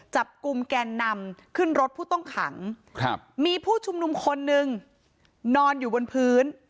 จับกลุ่มแกนนำขึ้นรถผู้ต้องขังมีผู้ชุมนุมคนนึงนอนอยู่บนพื้น